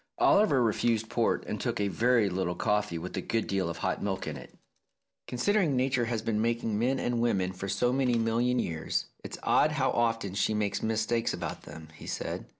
Oliver refused port, and took a very little coffee with a good deal of hot milk in it. "Considering Nature has been making men and women for so many million years, it's odd how often she makes mistakes about them," he said.